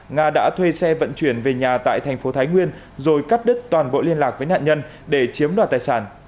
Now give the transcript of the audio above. nga đã thuê xe vận chuyển về nhà tại thành phố thái nguyên rồi cắt đứt toàn bộ liên lạc với nạn nhân để chiếm đoạt tài sản